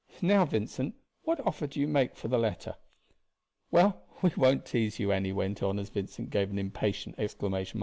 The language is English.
"Now, Vincent, what offer do you make for the letter? Well, we won't tease you," Annie went on as Vincent gave an impatient exclamation.